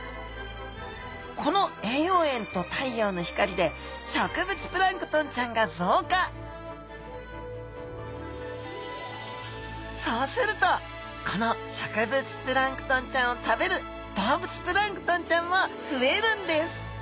この栄養塩と太陽の光で植物プランクトンちゃんが増加そうするとこの植物プランクトンちゃんを食べる動物プランクトンちゃんも増えるんです